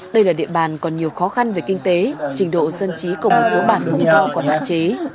đây là địa bàn còn nhiều khó khăn về kinh tế trình độ dân trí cùng một số bản hùng to còn hạ chế